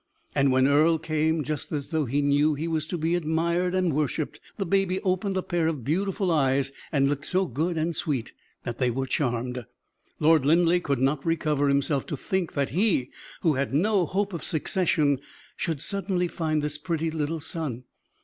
And when Earle came, just as though he knew he was to be admired and worshiped, the baby opened a pair of beautiful eyes, and looked so good and sweet that they were charmed. Lord Linleigh could not recover himself to think that he who had no hope of succession should suddenly find this pretty little son.